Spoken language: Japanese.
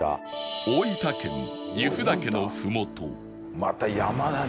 また山だね。